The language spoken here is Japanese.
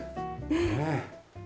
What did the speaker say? ねえ。